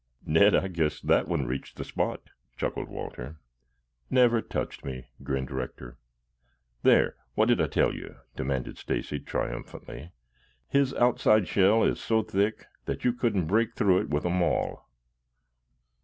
"Ned, I guess that one reached the spot," chuckled Walter. "Never touched me," grinned Rector. "There! What did I tell you?" demanded Stacy triumphantly. "His outside shell is so thick that you couldn't break through it with a mall."